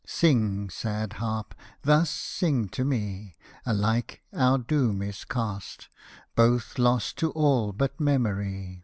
— Sing, sad Harp, thus sing to me ; AHke our doom is cast, Both lost to all but memory.